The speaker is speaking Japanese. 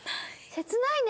切ないね！